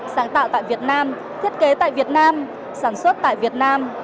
sáng tạo tại việt nam thiết kế tại việt nam sản xuất tại việt nam